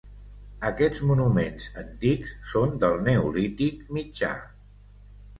Aquests monuments antics són del Neolític mitjà.